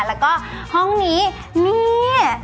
แล้วก็ห้องนี้เนี่ย